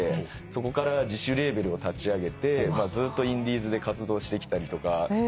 そこから自主レーベルを立ち上げてずっとインディーズで活動してきたりとか。